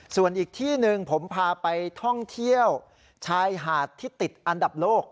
ส่วนอีกที่หนึ่งผมพาไปท่องเที่ยวชายหาดที่ติดอันดับโลก